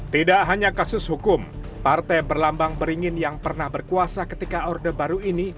tidak hanya kasus hukum partai berlambang beringin yang pernah berkuasa ketika orde baru ini